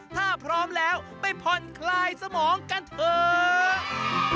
ถ้าพร้อมแล้วไปผ่อนคลายสมองกันเถอะ